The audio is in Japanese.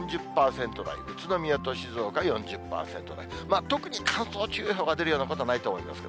３０％台、宇都宮と静岡４０％台、特に乾燥注意報が出るようなことはないと思います。